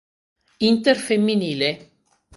Inter femminile